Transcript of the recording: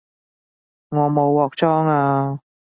我冇鑊裝吖